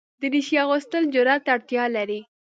دریشي اغوستل جرئت ته اړتیا لري.